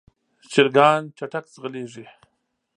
چرګان چټک ځغلېږي.